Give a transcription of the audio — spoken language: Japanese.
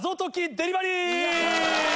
デリバリー？